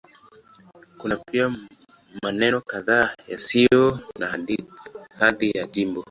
Kuna pia maeneo kadhaa yasiyo na hadhi ya jimbo.